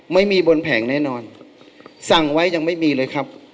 ไม่มีบนแผงแน่นอนสั่งไว้ยังไม่มีเลยครับ